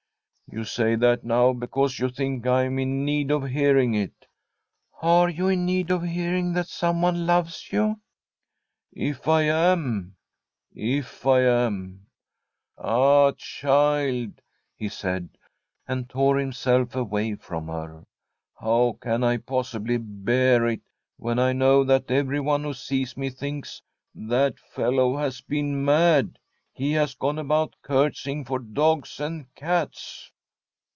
' You say that now because you think I am in need of hearing it.' * Are you in need of hearing that someone loves you?' ' If I am — ^if I am ? Ah, child,' he said, and tore himself away from her, ' how can I possibly bear it, when I know that everyone who sees me thinks :'' That fellow, has been mad ; he has gone about curts)ring for dogs and cats."